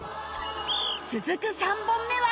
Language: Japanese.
続く３本目は